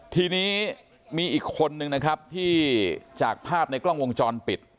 ทีนี้มีอีกคนนึงนะครับที่จากภาพในกล้องวงจรปิด